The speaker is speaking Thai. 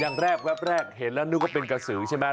อย่างแรกแป๊บแรกเห็นแล้วนึกว่าเป็นกระสือใช่ไหม